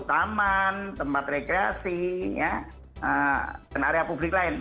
taman tempat rekreasi dan area publik lain